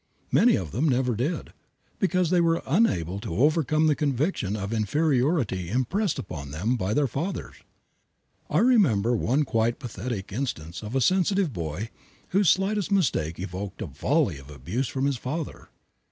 Many of them never did, because they were unable to overcome the conviction of inferiority impressed upon them by their fathers. I remember one quite pathetic instance of a sensitive boy whose slightest mistake evoked a volley of abuse from his father.